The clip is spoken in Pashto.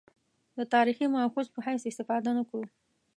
د تاریخي مأخذ په حیث استفاده نه کړو.